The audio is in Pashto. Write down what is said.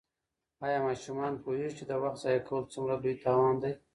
آیا ماشومان پوهېږي چې د وخت ضایع کول څومره لوی تاوان دی؟